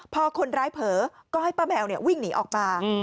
พอคนร้ายเผลอก็ให้ป้าแมววิ่งหนีออกมา